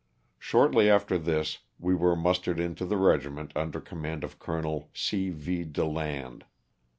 Shortly after this we were mustered into the regiment under command of Col. C. V. DeLand.